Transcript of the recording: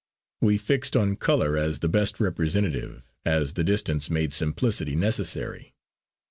We fixed on colour as the best representative, as the distance made simplicity necessary.